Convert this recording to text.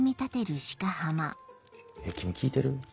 君聞いてる？